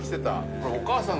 これお母さん？